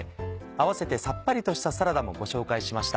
あわせてサッパリとしたサラダもご紹介しました。